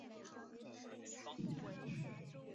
羽尾信号场筱之井线的一个已废止的线路所。